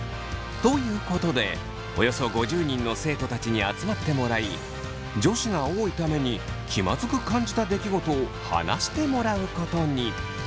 ということでおよそ５０人の生徒たちに集まってもらい女子が多いために気まずく感じた出来事を話してもらうことに。